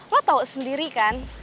lo tau sendiri kan